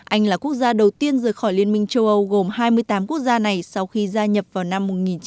anh là quốc gia đầu tiên rời khỏi liên minh châu âu gồm hai mươi tám quốc gia này sau khi gia nhập vào năm một nghìn chín trăm bảy mươi